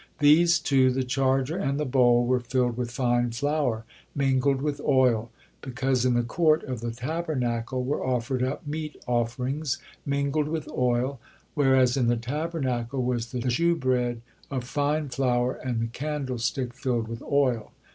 These two, the charger and the bowl, were filled with fine flour mingled with oil, because in the court of the Tabernacle were offered up meat offerings, mingled with oil, whereas in the Tabernacle was the shewbread of fine flour, and the candlestick filled with oil.